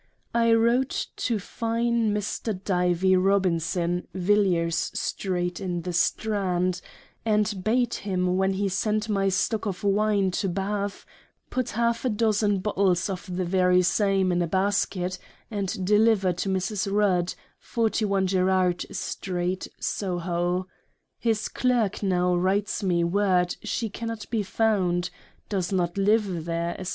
I wrote to fine Mr. Divie Robinson, Villiers Street, in the Strand, and bade him when he sent my Stock of Wine to Bath, put \ a dozen Bottles of the very same in a Basket and deliver to Mrs. Rudd, 41, Gerrard Street, Soho. His clerk now writes me word she cannot be found does not live there, &c.